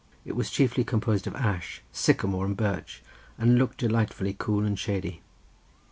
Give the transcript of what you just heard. It was chiefly composed of ash, sycamore, and birch, and looked delightfully cool and shady.